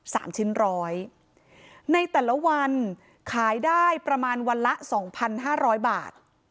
สามชิ้นร้อยในแต่ละวันขายได้ประมาณวันละสองพันห้าร้อยบาท